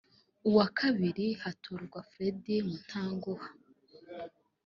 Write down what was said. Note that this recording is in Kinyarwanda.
uwa Kabiri hatorwa Freddy Mutanguha